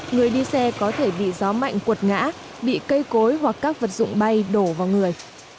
người đi xe có thể bị gió mạnh cuột ngã bị cây cối hoặc các vật dụng bay đổ vào người